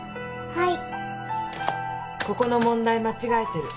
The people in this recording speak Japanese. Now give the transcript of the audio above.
はい。